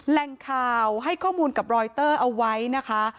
แหล่งข่าวให้ข้อมูลกับรอยเตอร์เอาไว้นะคะ